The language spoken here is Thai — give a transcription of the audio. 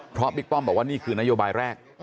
เพราะบิ๊กป้อมบอกว่านี่คือนโยบายแรก